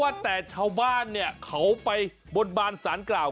ว่าแต่ชาวบ้านเนี่ยเขาไปบนบานสารกล่าว